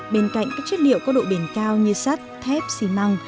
bên cạnh các chất liệu có độ bền cao như sắt thép xi măng